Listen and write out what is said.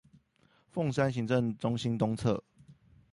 鳳山行政中心東側